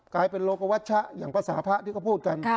กลายเป็นโลกวัชชะอย่างภาษาพระที่เขาพูดกัน